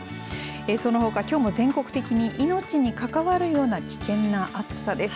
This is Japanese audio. そのほか、きょうも全国的に命に関わるような危険な暑さです。